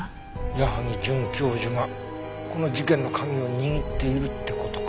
矢萩准教授がこの事件の鍵を握っているって事か。